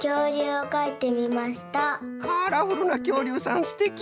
カラフルなきょうりゅうさんすてき。